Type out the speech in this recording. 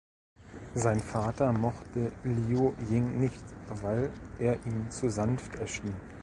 Sein Vater mochte Liu Ying nicht, weil er ihm zu sanft erschien.